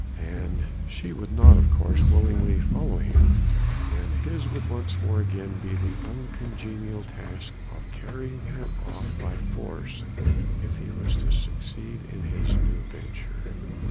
She would not, of course, willingly follow him, and his would once again be the uncongenial task of carrying her off by force if he was to succeed in his new venture.